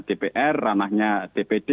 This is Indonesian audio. dpr ranahnya dpd